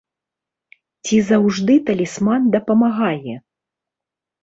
Ці заўжды талісман дапамагае?